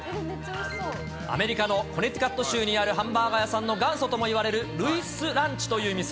アメリカのコネティカット州にあるハンバーガー屋さんの元祖ともいわれるルイスランチという店。